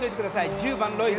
１０番、ロイド。